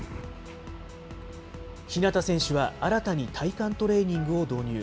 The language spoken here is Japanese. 日向選手は新たに体幹トレーニングを導入。